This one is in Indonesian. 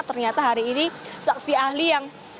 ternyata hari ini saksi ahli yang